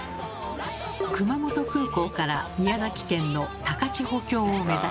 熊本空港から宮崎県の高千穂峡を目指します。